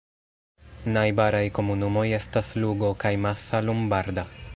Najbaraj komunumoj estas Lugo kaj Massa Lombarda.